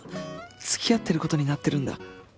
付き合ってることになってるんだ